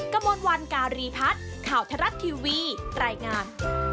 กระมวลวันการีพัฒน์ข่าวทรัฐทีวีรายงาน